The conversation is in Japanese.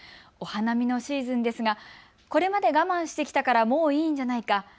お花見のシーズンですがこれまで我慢してきたからもう、いいんじゃないか。